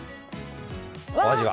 お味は？